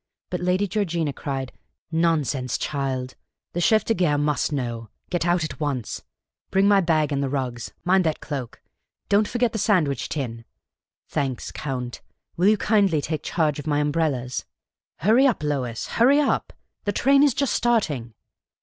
But Lady Georgina cried, " Nonsense, child ! The chef de garc must know. Get out at once ! Bring my bag and the rugs ! Mind that cloak ! Don't forget the sandwich tin ! Thanks, Count; will you kindly take charge of my umbrellas? Hurry up, Lois ; hurry up ! the train is just starting